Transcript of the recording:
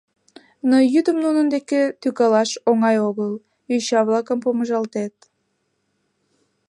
Но йӱдым нунын деке тӱкалаш оҥай огыл, йоча-влакым помыжалтет.